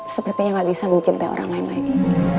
sepertinya gak bisa mencintai orang lain lagi